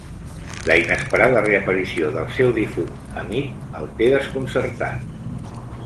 La inesperada reaparició del seu difunt amic el té desconcertat.